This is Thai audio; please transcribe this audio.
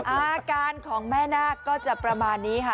อาการของแม่นาคก็จะประมาณนี้ค่ะ